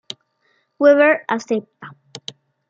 Weaver acepta.